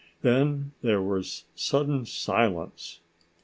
Then there was sudden silence.